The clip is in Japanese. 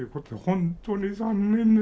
本当に残念で。